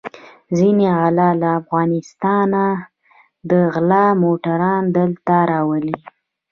ځينې غله له افغانستانه د غلا موټران دلته راولي.